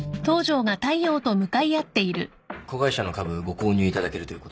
子会社の株ご購入いただけるということで。